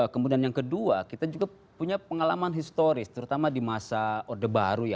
kemudian yang kedua kita juga punya pengalaman historis terutama di masa orde baru ya